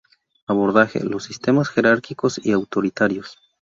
Abordaje: Los sistemas jerárquicos y autoritarios.